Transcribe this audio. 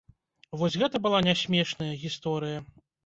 Вось гэта была нясмешная гісторыя!